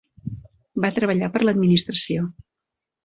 Va treballar per l'administració.